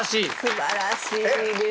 すばらしいです。